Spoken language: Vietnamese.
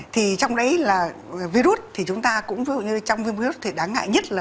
thì trong đấy là virus thì chúng ta cũng như trong virus thì đáng ngại nhất là